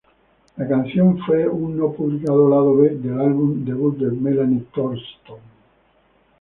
La canción fue un no-publicado lado B del álbum debut de Melanie Thornton.